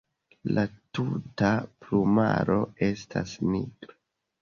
La tuta plumaro estas nigra.